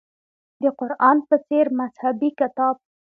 د قران په څېر مذهبي کتاب.